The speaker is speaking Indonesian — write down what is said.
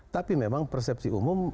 tapi memang persepsi umum